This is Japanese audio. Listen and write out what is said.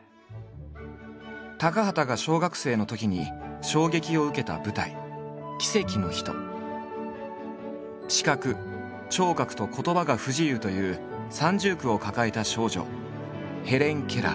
高畑が小学生のときに衝撃を受けた舞台視覚聴覚と言葉が不自由という三重苦を抱えた少女ヘレン・ケラー。